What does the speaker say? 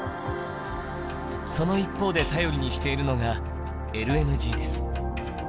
その一方で頼りにしているのがＬＮＧです。